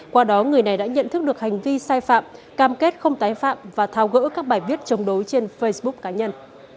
qua đó người này đã nhận thức được hành vi sai phạm cam kết không tái phạm và thao gỡ các bài viết chống đối trên facebook cá nhân